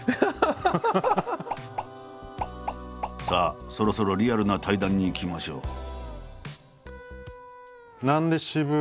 さあそろそろリアルな対談にいきましょう。